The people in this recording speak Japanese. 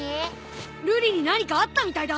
瑠璃に何かあったみたいだ！